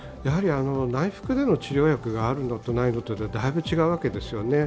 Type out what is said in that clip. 内服での治療薬がないのとあるのとではだいぶ違いますよね。